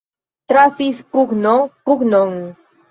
Trafis pugno pugnon.